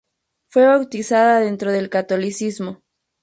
Fue bautizada dentro del catolicismo.